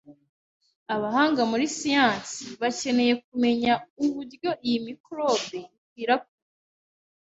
Abahanga muri siyansi bakeneye kumenya uburyo iyi microbe ikwirakwira,